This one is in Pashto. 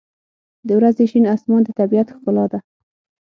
• د ورځې شین آسمان د طبیعت ښکلا ده.